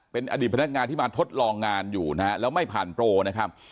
เป็นอดีตพนักงานที่มาทดลองงานอยู่นะฮะแล้วไม่ผ่านโปรนะครับ